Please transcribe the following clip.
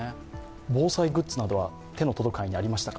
防災グッズなどは手の届く範囲にありましたか？